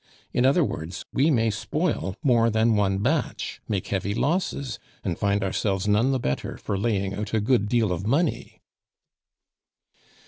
In other words, we may spoil more than one batch, make heavy losses, and find ourselves none the better for laying out a good deal of money."